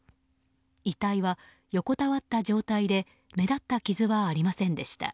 遺体は横たわった状態で目立った傷はありませんでした。